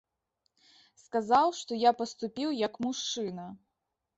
Сказаў, што я паступіў, як мужчына.